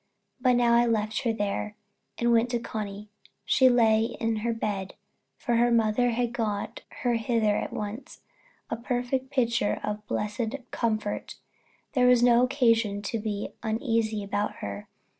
But now I left her there, and went to Connie. She lay in her bed; for her mother had got her thither at once, a perfect picture of blessed comfort. There was no occasion to be uneasy about her.